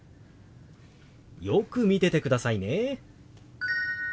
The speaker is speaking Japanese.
よく見ててくださいね。